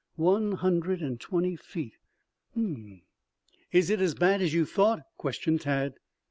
"One hundred and twenty feet. H m m m." "Is it as bad as you thought?" questioned Tad.